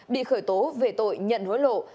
bị khởi tố về tội nhận hối lộ